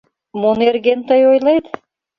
— Мо нерген тый ойлет?